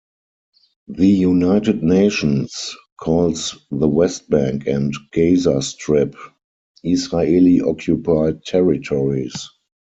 The United Nations calls the West Bank and Gaza Strip "Israeli-occupied territories".